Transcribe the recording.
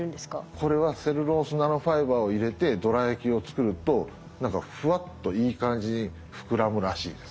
これはセルロースナノファイバーを入れてどら焼きを作ると何かフワッといい感じに膨らむらしいです。